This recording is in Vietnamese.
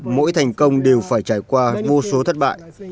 mỗi thành công đều phải trải qua vô số thất bại